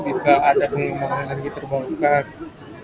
bisa ada pengumuman energi terbawakan